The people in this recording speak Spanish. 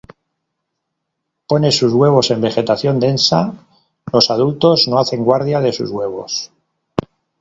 Pone sus huevos en vegetación densa, los adultos no hacen guardia de sus huevos.